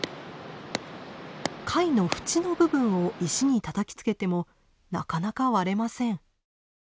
貝のふちの部分を石にたたきつけてもなかなか割れません。